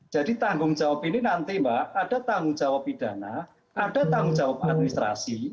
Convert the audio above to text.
jadi tanggung jawab ini nanti mbak ada tanggung jawab pidana ada tanggung jawab administrasi